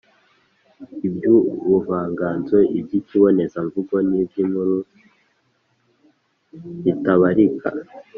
iby’ubuvanganzo, iby’ikibonezamvugo, n’iby’inkuru bitabarika